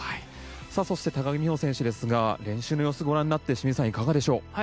そして、高木美帆選手ですが練習をご覧になって清水さん、いかがでしょう？